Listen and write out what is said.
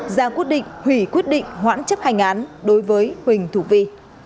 và huỳnh thục vi